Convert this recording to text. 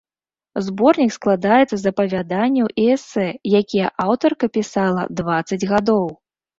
Зборнік складаецца з апавяданняў і эсэ, якія аўтарка пісала дваццаць гадоў.